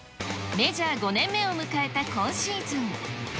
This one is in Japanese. メジャー５年目を迎えた今シーズン。